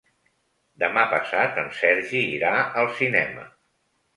Demà passat en Sergi irà al cinema.